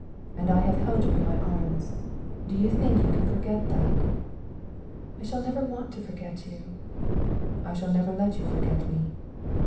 And I have held you in my arms. Do you think you can forget that?" "I shall never want to forget you." "I shall not let you forget me.